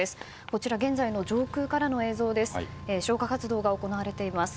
こちら現在の上空からの映像です。